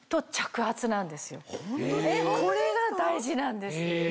これが大事なんです。